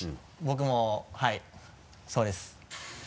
僕もはいそうです。